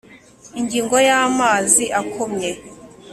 Ingingo ya amazi akomye